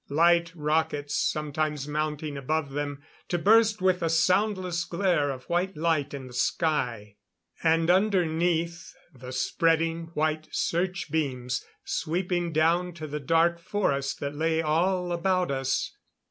Light rockets sometimes mounting above them, to burst with a soundless glare of white light in the sky; and underneath, the spreading white search beams, sweeping down to the dark forest that lay all about us.